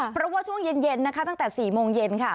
เพราะว่าช่วงเย็นนะคะตั้งแต่๔โมงเย็นค่ะ